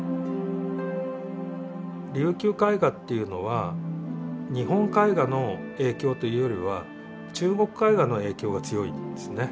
琉球絵画っていうのは日本絵画の影響というよりは中国絵画の影響が強いんですね。